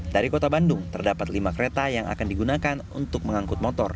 dari kota bandung terdapat lima kereta yang akan digunakan untuk mengangkut motor